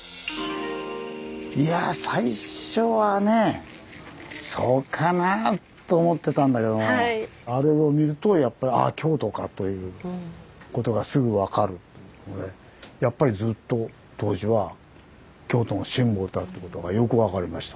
いやぁ最初はねそうかな？と思ってたんだけどもあれを見るとやっぱり「ああ京都か」ということがすぐ分かるということでやっぱりずっと東寺は京都のシンボルだってことがよく分かりました。